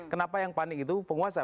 kenapa yang panik itu penguasa